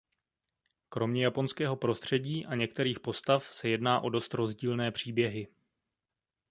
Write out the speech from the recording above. Kromě japonského prostředí a některých postav se jedná o dost rozdílné příběhy.